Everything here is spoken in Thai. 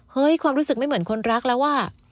ความรู้สึกไม่เหมือนคนรักแล้วอ่ะ